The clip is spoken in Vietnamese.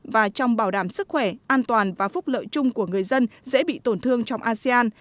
và trong bảo đảm sức khỏe an toàn và phúc lợi chung của người dân dễ bị tổn thương trong asean